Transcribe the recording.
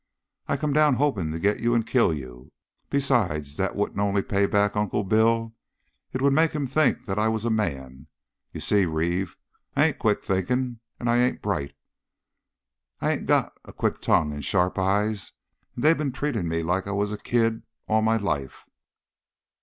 "I come down hoping to get you and kill you. Besides, that wouldn't only pay back Uncle Bill. It would make him think that I was a man. You see, Reeve, I ain't quick thinking, and I ain't bright. I ain't got a quick tongue and sharp eyes, and they been treating me like I was a kid all my life.